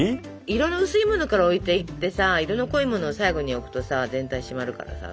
色の薄いものから置いていってさ色の濃いものを最後に置くとさ全体締まるからさ。